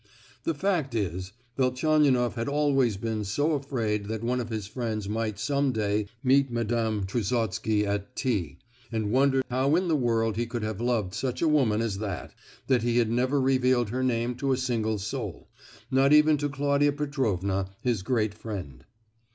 The fact is, Velchaninoff had always been so afraid that one of his friends might some fine day meet Madame Trusotsky at T——, and wonder how in the world he could have loved such a woman as that, that he had never revealed her name to a single soul; not even to Claudia Petrovna, his great friend.